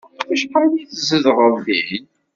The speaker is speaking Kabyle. Acḥal ay tzedɣeḍ din?